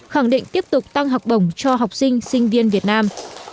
khẳng định tiếp tục tăng học bổng cho học sinh sinh viên việt nam